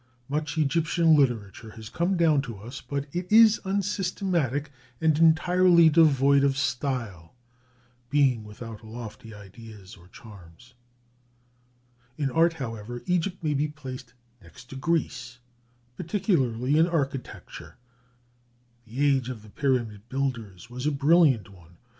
Much Egyptian literature has come down to us, but it is unsystematic and entirely devoid of style, being without lofty ideas or charms. In art, however, Egypt may be placed next to Greece, particularly in architecture. The age of the Pyramid builders was a brilliant one.